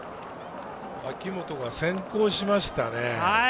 脇本が先行しましたね。